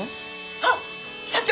あっ社長！